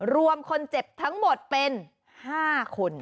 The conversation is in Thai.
รวมคนเจ็บทั้งหมดเป็น๕คน